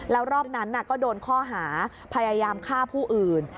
แล้วรอบนั้นก็โดนข้อหาพยายามฆ่าผู้อื่น